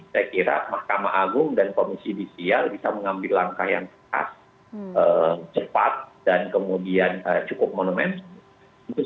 saya kira mahkamah agung dan komisi judisial bisa mengambil langkah yang tepat dan kemudian cukup monumen